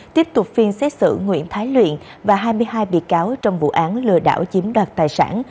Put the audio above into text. tiếp tục phiên xét xử nguyễn thái luyện và hai mươi hai bị cáo trong vụ án lừa đảo chiếm đoạt tài sản